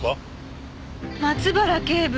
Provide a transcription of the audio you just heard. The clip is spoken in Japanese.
松原警部。